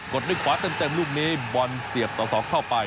กดนึกขวาเต็มลูกนี้บอลเสียบ๒๒เข้าไป